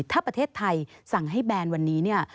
ถ้าประเทศไทยสั่งให้แบนวันนี้เนี่ย